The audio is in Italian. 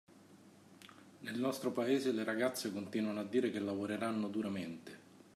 Nel nostro paese, le ragazze continuano a dire che lavoreranno duramente.